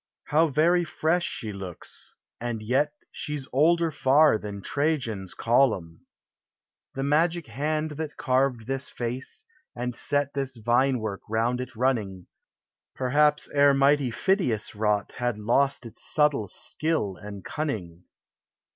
How very fresh she looks, and yet She's older far than Trajan's column ! The magic hand that carved this face, And set this vine work round it running, Perhaps ere mighty Phidias wrought Had lost its subtle skill and cunning.